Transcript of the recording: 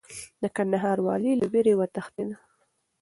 د کندهار والي له ویرې وتښتېد.